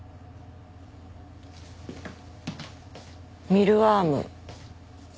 ミルワーム。